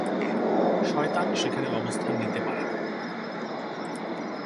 শয়তান সেখানে অবস্থান নিতে পারে না।